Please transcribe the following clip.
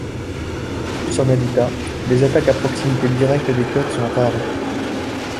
Vu son habitat, les attaques à proximité directe des côtes sont rares.